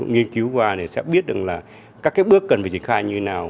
nghiên cứu và sẽ biết được các bước cần phải triển khai như thế nào